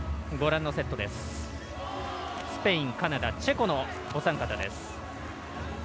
スペイン、カナダ、チェコのお三方です。